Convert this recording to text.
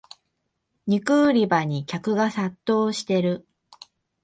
肉売り場に客が殺到してる